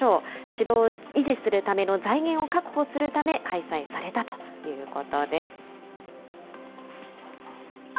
城を維持するための財源を確保するため開催されたということです。